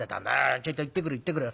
ちょいと行ってくる行ってくる。